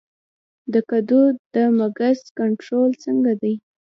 د کدو د مګس کنټرول څنګه دی؟